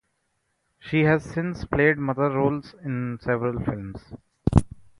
She has since played mother roles in several films.